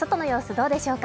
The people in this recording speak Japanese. どうでしょうか